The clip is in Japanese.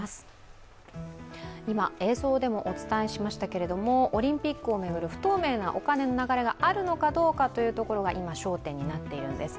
今、映像でもお伝えしましたけれども、オリンピックを巡る不透明なお金の流れがあるのかどうかが今焦点となっているんです。